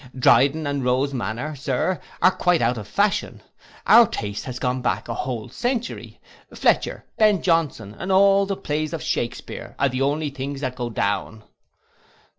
Dryden and Row's manner, Sir, are quite out of fashion; our taste has gone back a whole century, Fletcher, Ben Johnson, and all the plays of Shakespear, are the only things that go down.